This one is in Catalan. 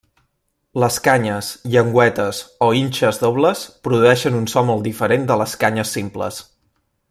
Les canyes, llengüetes o inxes dobles, produeixen un so molt diferent de les canyes simples.